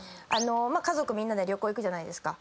家族みんなで旅行行くじゃないですか。